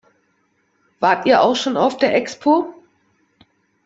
Wart ihr auch schon auf der Expo?